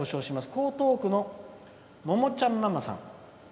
江東区の、ももちゃんママさん。